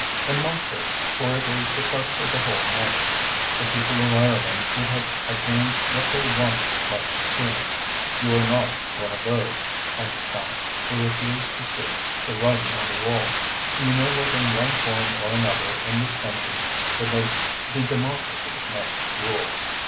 And mark this, for it is the crux of the whole matter, the people of Ireland would have attained what they wanted much sooner. You are not one of those, Andrew Tallente, who refuse to see the writing on the wall. You know that in one form or another in this country the democracy must rule.